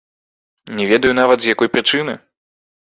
Не ведаю нават, з якой прычыны.